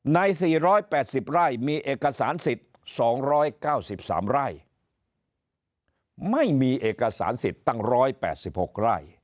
ใน๔๘๐ไร่มีเอกสารสิทธิ์๒๙๓ไร่ไม่มีเอกสารสิทธิ์ตั้ง๑๘๖ไร่